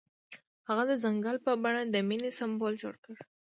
هغه د ځنګل په بڼه د مینې سمبول جوړ کړ.